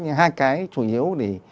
nhưng hai cái chủ yếu để